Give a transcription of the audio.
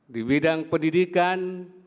di bidang pendidikan